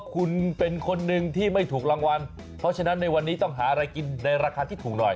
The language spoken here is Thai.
คุณเป็นคนหนึ่งที่ไม่ถูกรางวัลเพราะฉะนั้นในวันนี้ต้องหาอะไรกินในราคาที่ถูกหน่อย